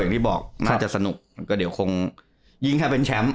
อย่างที่บอกน่าจะสนุกก็เดี๋ยวคงยิ่งถ้าเป็นแชมป์